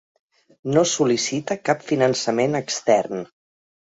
No sol·licita cap finançament extern.